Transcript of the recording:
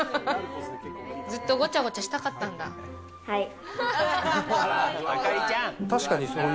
ずっとごちゃごちゃしたかっはい。